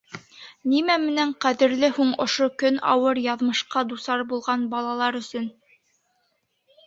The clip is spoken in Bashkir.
Нимә менән ҡәҙерле һуң ошо көн ауыр яҙмышҡа дусар булған балалар өсөн?